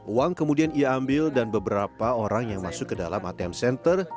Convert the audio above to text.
uang kemudian ia ambil dan beberapa orang yang masuk ke dalam atm center